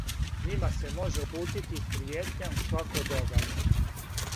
Њима се може упутити пријетња у свако доба.